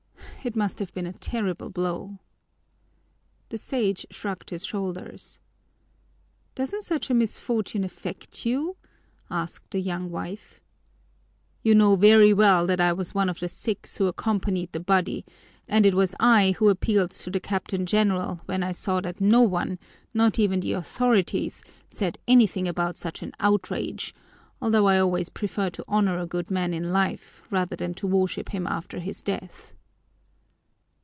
It must have been a terrible blow." The Sage shrugged his shoulders. "Doesn't such a misfortune affect you?" asked the young wife. "You know very well that I was one of the six who accompanied the body, and it was I who appealed to the Captain General when I saw that no one, not even the authorities, said anything about such an outrage, although I always prefer to honor a good man in life rather than to worship him after his death."